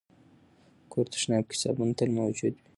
د کور تشناب کې صابون تل موجود وي.